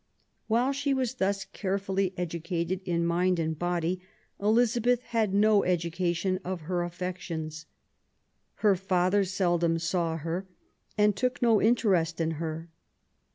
While she was thus carefully educated in mind and body, Elizabeth had no education of her affec tions. Her father seldom saw her and took no interest in her.